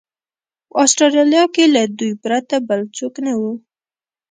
په اسټرالیا کې له دوی پرته بل څوک نه و.